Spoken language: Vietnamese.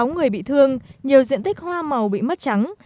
sáu người bị thương nhiều diện tích hoa màu bị mất trắng